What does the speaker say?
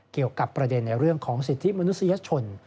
เกี่ยวกับประเด็นในเรื่องของสิทธิมนุษยชน